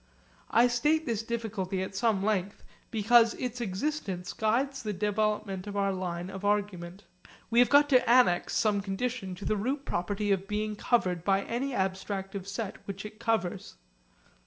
I state this difficulty at some length because its existence guides the development of our line of argument. We have got to annex some condition to the root property of being covered by any abstractive set which it covers.